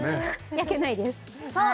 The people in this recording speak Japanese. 焼けないですさあ